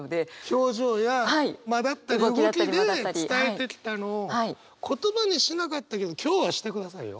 表情や間だったり動きで伝えてきたのを言葉にしなかったけど今日はしてくださいよ。